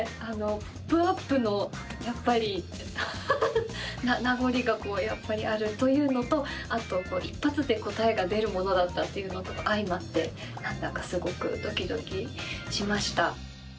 「ポップＵＰ！」の名残があるというのと一発で答えが出るものだったというのと相まって何だかすごくドキドキしました。